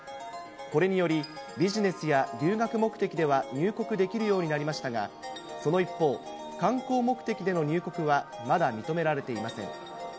これにより、ビジネスや留学目的では入国できるようになりましたが、その一方、観光目的での入国はまだ認められていません。